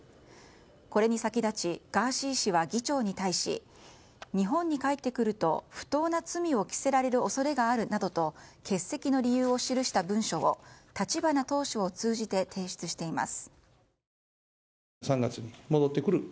これに先立ちガーシー氏は議長に対し日本に帰ってくると、不当な罪を着せられる恐れがあるなどと欠席の理由を記した文書を立花党首を通じて提出しています。